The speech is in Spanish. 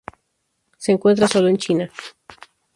Se encuentra sólo en China.